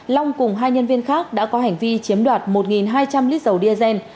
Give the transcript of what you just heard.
long cùng hai nhân viên khác đã có hành vi chiếm đoạt một hai trăm linh lít dầu diesel